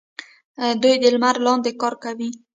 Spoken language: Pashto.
دوی د لمر لاندې کار کوي.